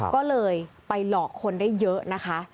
ก็เลยไปหลอกคนได้เยอะนะคะ